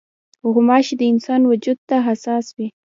غوماشې د انسان وجود ته حساس وي.